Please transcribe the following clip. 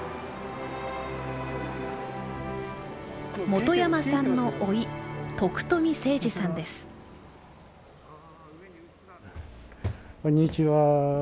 元山さんの甥こんにちは。